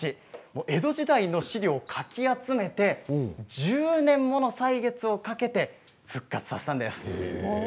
江戸時代の資料をかき集めて１０年もの歳月をかけて復活させました。